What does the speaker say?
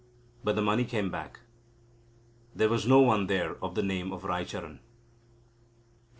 But the money came back. There was no one there of the name of Raicharan.